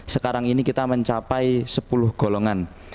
sekarang ini kita mencapai sepuluh golongan